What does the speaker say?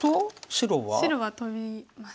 白はトビます。